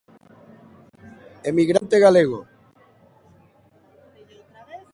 Emigrante galego.